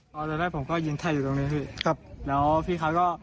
พอตอนนั้นผมก็ยืนไทยอยู่ตรงนี้